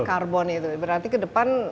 karbon itu berarti ke depan